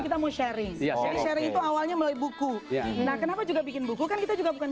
kita mau sharing jadi sharing itu awalnya melalui buku nah kenapa juga bikin buku kan kita juga bukan